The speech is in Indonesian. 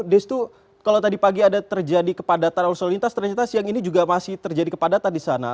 destu kalau tadi pagi ada terjadi kepadatan arus lalu lintas ternyata siang ini juga masih terjadi kepadatan di sana